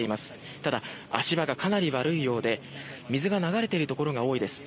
ただ、足場がかなり悪いようで水が流れているところが多いです。